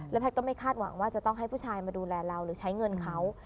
แพทย์ก็ไม่คาดหวังว่าจะต้องให้ผู้ชายมาดูแลเราหรือใช้เงินเขา